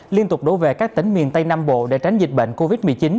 liên tục đổ về các tỉnh miền tây nam bộ để tránh dịch bệnh covid một mươi chín